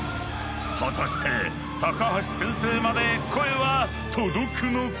果たして高橋先生まで声は届くのか。